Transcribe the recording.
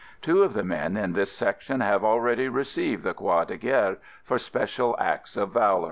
Two of the men in this Section have already received the " Croix de Guerre" for special acts of valor.